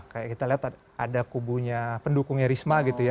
kayak kita lihat ada kubunya pendukungnya risma gitu ya